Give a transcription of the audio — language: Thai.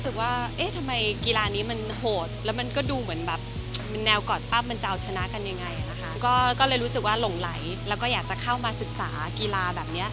ว่าเอ๊ะทำไมกีฬานี้มันโหดแล้วมันก็ดูเหมือนแบบแนวก่อนปั๊บมันจะเอาชนะกันยังไงนะคะก็เลยรู้สึกว่าหลงไหลแล้วก็อยากจะเข้ามาศึกษากีฬาแบบเนี้ย